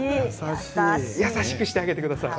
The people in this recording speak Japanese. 優しくしてあげてください。